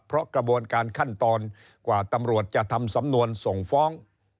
เพราะกระบวนการขั้นตอนกว่าตำรวจจะทำสำนวนส่งฟ้อง